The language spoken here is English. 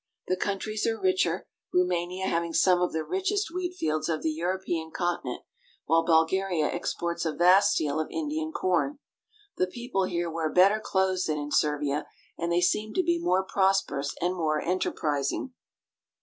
The countries are richer, Roumania having some of the richest wheat fields of the European continent, while Bulgaria exports a vast deal of Indian corn. The people here wear better clothes than in Servia, and they seem to be more prosperous and more enterpris ing.